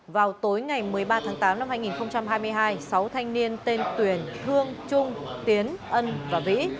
vào tối ngày một mươi ba tháng tám năm hai nghìn hai mươi hai sáu thanh niên tên tuyền thương trung tiến ân và vĩ